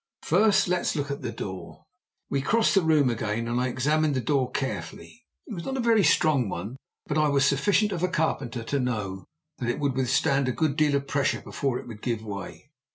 "First, let's look at the door." We crossed the room again, and I examined the door carefully. It was not a very strong one; but I was sufficient of a carpenter to know that it would withstand a good deal of pressure before it would give way.